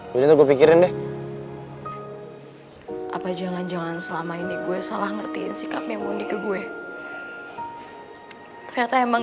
wiener gue pikirin deh apa jangan jangan selama ini gue salah ngertiin sikapnya pali ke gue ternyata emang